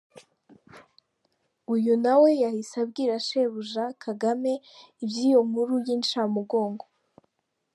Uyu nawe yahise abwira sebuja Kagame iby’iyo nkuru y’inshamugongo.